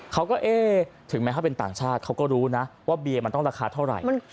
เขาก็เอ๊ะถึงแม้เขาเป็นต่างชาติเขาก็รู้นะว่าเบียร์มันต้องราคาเท่าไหร่